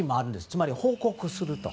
つまり報告すると。